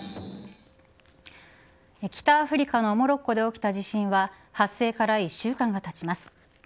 北アフリカのモロッコで起きた地震は発生から１週間がたちます。